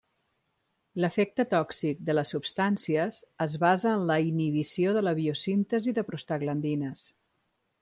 L'efecte tòxic de les substàncies es basa en la inhibició de la biosíntesi de prostaglandines.